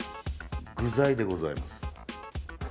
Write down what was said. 具材でございます。